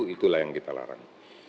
itulah yang kita larang